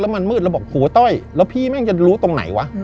แล้วมันมืดเราบอกหัวต้อยแล้วพี่แม่งจะรู้ตรงไหนวะอืม